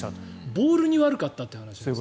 ボールに悪かったということですね。